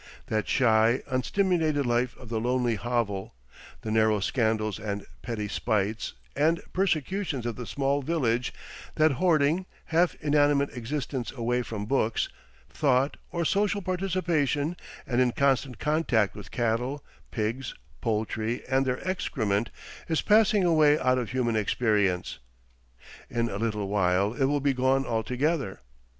That shy, unstimulated life of the lonely hovel, the narrow scandals and petty spites and persecutions of the small village, that hoarding, half inanimate existence away from books, thought, or social participation and in constant contact with cattle, pigs, poultry, and their excrement, is passing away out of human experience. In a little while it will be gone altogether.